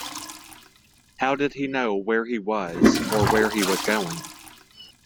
How did he know where he was or where he was going?